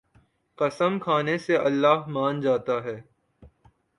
قسم کھانے سے اللہ مان جاتا ہے